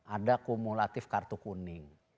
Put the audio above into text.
ada kumulatif kartu kuning